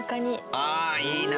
あっいいな。